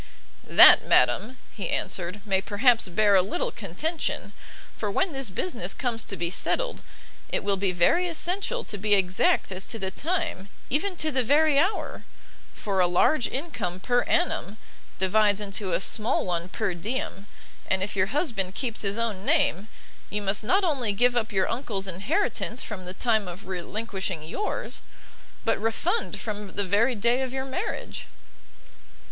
"That, madam," he answered, "may perhaps bear a little contention: for when this business comes to be settled, it will be very essential to be exact as to the time, even to the very hour; for a large income per annum, divides into a small one per diem: and if your husband keeps his own name, you must not only give up your uncle's inheritance from the time of relinquishing yours, but refund from the very day of your marriage."